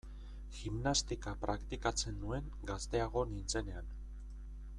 Gimnastika praktikatzen nuen gazteago nintzenean.